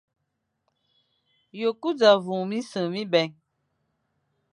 Ye ku za wum minsef mibè.